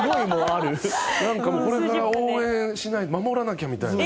なんかこれから応援しないと守らなきゃみたいな。